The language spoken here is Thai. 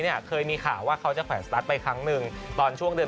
เนี่ยเคยมีข่าวว่าเขาจะแขวนสตาร์ทไปครั้งหนึ่งตอนช่วงเดือน